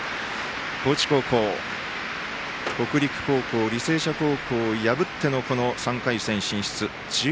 高知高校、北陸高校履正社高校を破ってのこの３回戦進出。